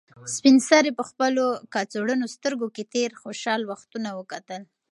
سپین سرې په خپل کڅوړنو سترګو کې تېر خوشحاله وختونه کتل.